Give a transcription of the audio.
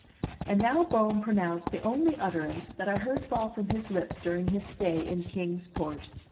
And now Bohm pronounced the only utterance that I heard fall from his lips during his stay in Kings Port.